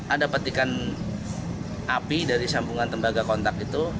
ada petikan api dari sambungan tembaga kontak itu